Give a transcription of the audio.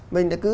mình đã cứ